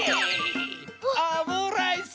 オムライス。